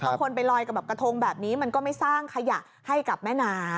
ต้องควรไปลอยกระทงแบบนี้มันก็ไม่สร้างขยะให้กับแม่น้ำ